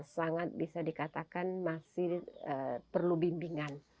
sangat bisa dikatakan masih perlu bimbingan